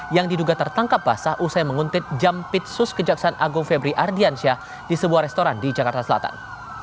yang diduga tertangkap basah usai menguntit jampitsus kejaksaan agung febri ardiansyah di sebuah restoran di jakarta selatan